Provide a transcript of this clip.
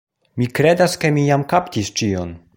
Mi kredas ke mi jam kaptis ĉion.